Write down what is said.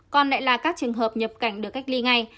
còn lại là các trường hợp nhập cảnh được cách ly ngay